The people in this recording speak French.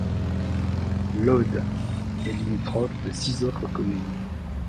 Lodes est limitrophe de six autres communes.